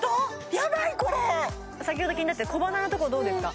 ヤバいこれ先ほど気になってた小鼻のとこどうですか？